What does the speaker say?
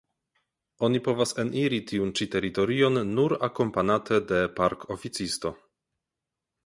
Oni povas eniri tiun ĉi teritorion nur akompanate de parkoficisto.